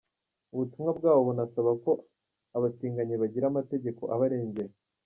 Ubutumwa bwabo bunasaba ko abatinganyi bagira amategeko abarengera.